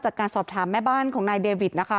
จากการสอบถามแม่บ้านของนายเดวิดนะคะ